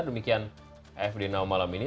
demikian afd now malam ini